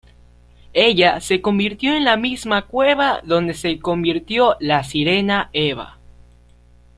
Ella se convirtió en la misma cueva donde se convirtió la sirena Eva.